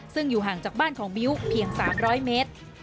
ซึ่งอยู่ห่างจากบ้านของมิ้วเพียง๓๐๐เมตร